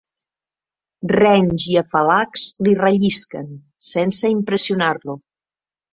Renys i afalacs li rellisquen, sense impressionar-lo.